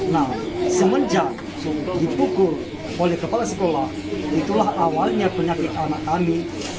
nah semenjak dipukul oleh kepala sekolah itulah awalnya penyakit anak kami